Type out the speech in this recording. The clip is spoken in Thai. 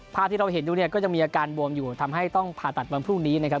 ภาพที่เราเห็นอยู่เนี่ยก็ยังมีอาการบวมอยู่ทำให้ต้องผ่าตัดวันพรุ่งนี้นะครับ